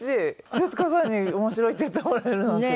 徹子さんに面白いって言ってもらえるなんて。